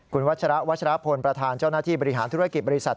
คุณวัชระวัชรพลประธานเจ้าหน้าที่บริหารธุรกิจบริษัท